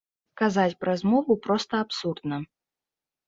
Казаць пра змову проста абсурдна.